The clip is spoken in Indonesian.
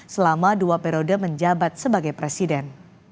selama dua periode menjabat sebagai presiden